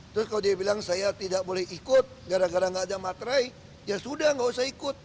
terus kalau dia bilang saya tidak boleh ikut gara gara gak ada materai ya sudah nggak usah ikut